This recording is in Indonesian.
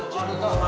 cuma jangan lupa